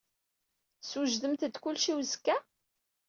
Teswejdemt-d kullec i uzekka?